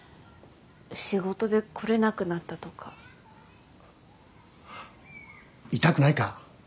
仕事で来れなくなったとか痛くないか？